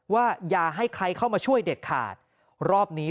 วันนี้ทีมข่าวไทยรัฐทีวีไปสอบถามเพิ่ม